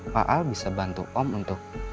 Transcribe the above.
pak a bisa bantu om untuk